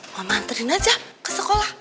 mama anterin aja ke sekolah